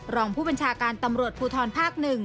รองผู้บัญชาการตำรวจภูทรภาค๑